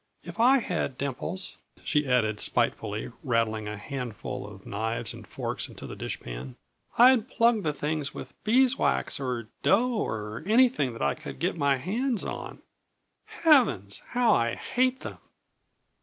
If I had dimples," she added, spitefully rattling a handful of knives and forks into the dishpan, "I'd plug the things with beeswax or dough, or anything that I could get my hands on. Heavens! How I hate them!"